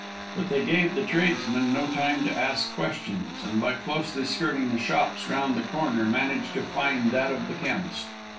But they gave the tradesmen no time to ask questions, and by closely skirting the shops round the corner managed to find that of the chemist.